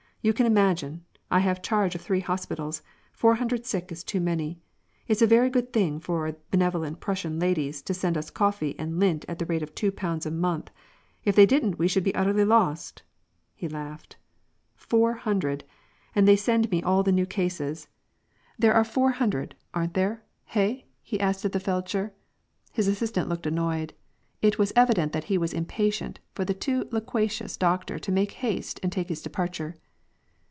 You can imagine : I have charge of three hospitals; four hundred sick is too many. It's a very good thing for benevolent Prussian ladies to send us coffee and lint at the rate of two pounds a month; if they didn't we should be utterly lost." Ho laughed. " Four hundred ! and they send me all the new cases. 186 WAR AND PEACE. There are four hundred, aren't there ? Hey ?" he asked of the feldsher. His assistant looked annoyed. It was evident that he was impatient for the too loquacious doctor to make haste and take his departure.